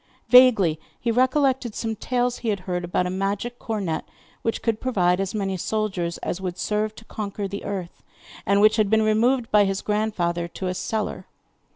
Vaguely he recollected some tales he had heard about a magic cornet which could provide as many soldiers as would serve to conquer the earth, and which had been removed by his grandfather to a cellar.